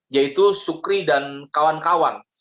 yaitu sukri dan kawan kawan